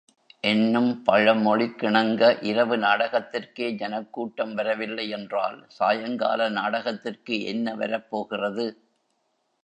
என்னும் பழமொழிக்கிணங்க, இரவு நாடகத்திற்கே ஜனக்கூட்டம் வரவில்லையென்றால், சாயங்கால நாடகத்திற்கு என்ன வரப்போகிறது?